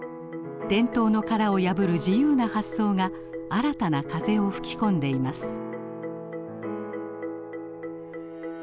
伝統の殻を破る自由な発想が新たな風を吹き込んでいます。